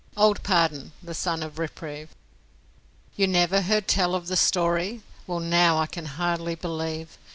Old Pardon, the Son of Reprieve You never heard tell of the story? Well, now, I can hardly believe!